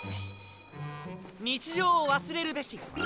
日常を忘れるべし！